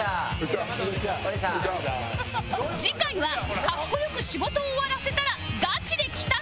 次回は格好良く仕事を終わらせたらガチで帰宅